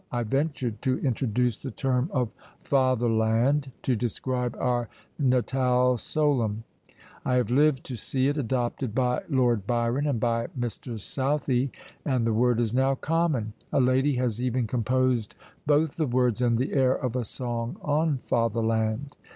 I ventured to introduce the term of FATHER LAND to describe our natale solum; I have lived to see it adopted by Lord Byron and by Mr. Southey, and the word is now common. A lady has even composed both the words and the air of a song on "Father land."